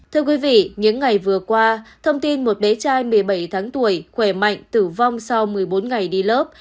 thưa quý vị những ngày vừa qua thông tin một bé trai một mươi bảy tháng tuổi khỏe mạnh tử vong sau một mươi bốn ngày đi lớp